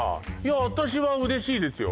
私は嬉しいですよ